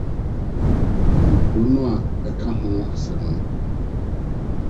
Nkurow a ɛka ho asɛm no